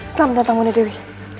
selamat datang bunda dewi